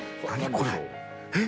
これえっ？